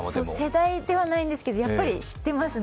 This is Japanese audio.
世代ではないんですけどやっぱり知ってますね。